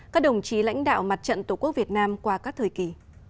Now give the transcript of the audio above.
các đồng chí lãnh đạo mặt trận tổ quốc việt nam qua các thời kỳ